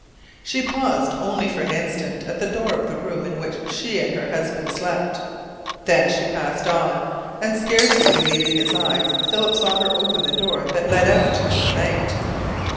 She paused only for an instant at the door of the room in which she and her husband slept. Then she passed on, and scarcely believing his eyes Philip saw her open the door that led out into the night!